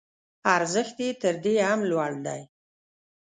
ارزښت یې تر دې هم لوړ دی.